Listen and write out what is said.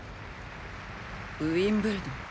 ウインブルドン。